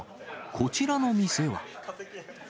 こちらの店は。